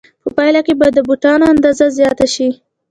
په پایله کې به د بوټانو اندازه زیاته شي